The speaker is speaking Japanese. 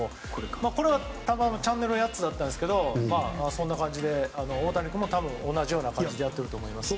これは、チャンネルが８つだったんですけど大谷君も同じような感じでやってると思います。